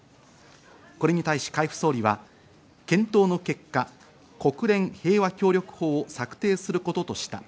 これに対し海部総理は検討の結果、国連平和協力法を策定することとした。